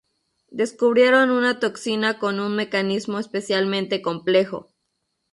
Descubrieron una toxina con un mecanismo especialmente complejo.